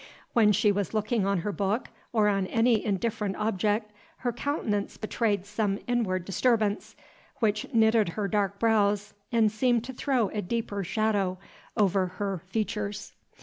When she was looking on her book, or on any indifferent object, her countenance betrayed some inward disturbance, which knitted her dark brows, and seemed to throw a deeper shadow over her features.